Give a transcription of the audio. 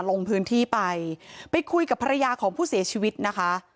ลงพื้นที่ไปไปคุยกับภรรยาของผู้เสียชีวิตนะคะ